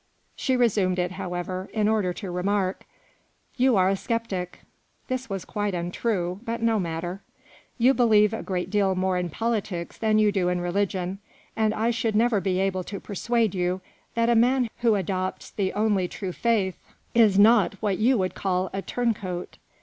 She resumed it, how ever, in order to remark :" You are a sceptic " (this was quite untrue, but no matter) ;" you believe a great deal more in politics than you do in religion, and I should never be able to persuade you that a man who adopts the only true faith is not what MADAME DE CHANTELOUP. 17 you would call a turncoat.